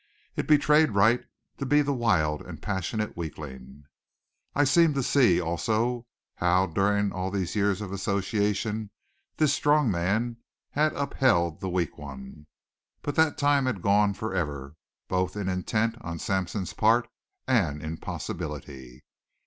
It betrayed Wright to be the wild and passionate weakling. I seemed to see also how, during all the years of association, this strong man had upheld the weak one. But that time had gone forever, both in intent on Sampson's part and in possibility.